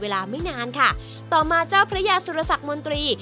เวลาไม่นานค่ะต่อมาเจ้าพระยาสุรสักมนตรี